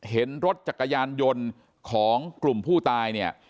เห็นรถจักรยานยนต์ของกลุ่มผู้ตายเนี่ย